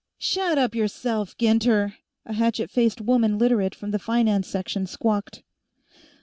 "Shut up, yourself, Ginter," a hatchet faced woman Literate from the Finance Section squawked.